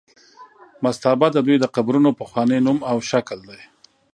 مستابه د دوی د قبرونو پخوانی نوم او شکل دی.